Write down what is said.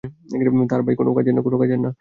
তার ভাই কোনও কাজের না।